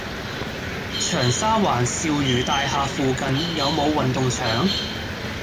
長沙灣肇如大廈附近有無運動場？